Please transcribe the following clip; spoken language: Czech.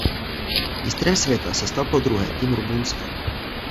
Mistrem světa se stal podruhé tým Rumunska.